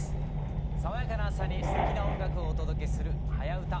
爽やかな朝にすてきな音楽をお届けする「はやウタ」